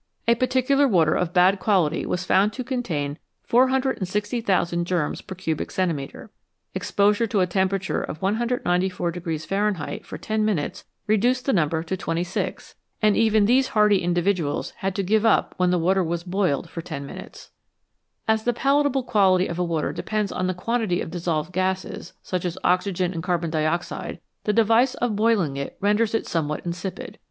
A particular water of bad quality was found to contain 460,000 germs per cubic centimetre. Exposure to a temperature of 194 Fahrenheit for ten minutes reduced the number to twenty six, and even these hardy individuals 103 NATURAL WATERS had to give up when the water was boiled for ten minutes. As the palatable quality of a water depends on the quantity of dissolved gases, such as oxygen and carbon dioxide, the device of boiling it renders it some what insipid.